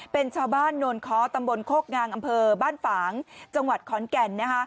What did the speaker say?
เป็นชาวบ้านโนนค้อตำบลโคกงางอำเภอบ้านฝางจังหวัดขอนแก่น